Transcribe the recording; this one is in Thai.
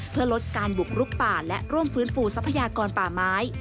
เพื่อลดการบุกรุกป่าและร่วมฟื้นฟูทรัพยากรป่าไม้